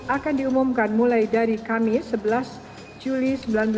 akan diumumkan mulai dari kamis sebelas juli dua ribu sembilan belas